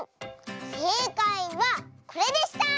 ⁉せいかいはこれでした！